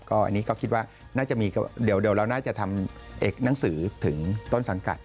อันนี้ก็คิดว่าน่าจะมีเดี๋ยวเราน่าจะทำหนังสือถึงต้นสังกัด